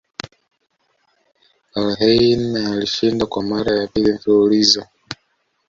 KarlHeine alishinda Kwa mara ya pili mfululizo